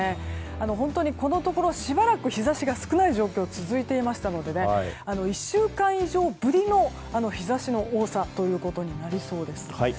本当に、このところしばらく日差しが少ない状況が続いていましたので１週間以上ぶりの日差しの多さということになりそうです。